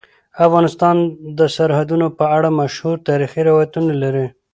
افغانستان د سرحدونه په اړه مشهور تاریخی روایتونه لري.